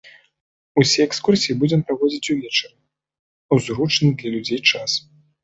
Усе экскурсіі будзем праводзіць увечары, у зручны для людзей час.